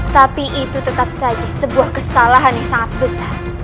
tapi itu tetap saja sebuah kesalahan yang sangat besar